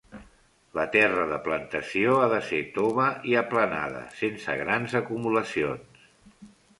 La terra de plantació ha de ser tova i aplanada, sense grans acumulacions.